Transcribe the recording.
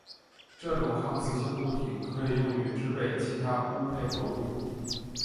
这种抗磁性固体可以用于制备其它钨配合物。